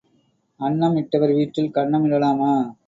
அன்னம் இட்டவர் வீட்டில் கன்னம் இடலாமா?